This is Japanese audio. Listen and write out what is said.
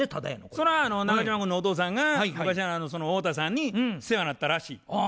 それは中島君のお父さんが昔その太田さんに世話なったらしい。